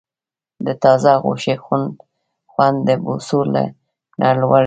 د تازه غوښې خوند د بوسو نه لوړ دی.